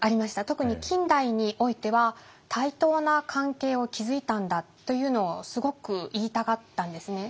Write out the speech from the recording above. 特に近代においては対等な関係を築いたんだというのをすごく言いたがったんですね。